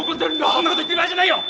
そんなこと言ってる場合じゃないよ！